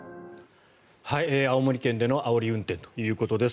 青森県でのあおり運転ということです。